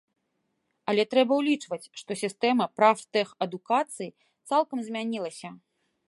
Але трэба ўлічваць, што сістэма прафтэхадукацыі цалкам змянілася.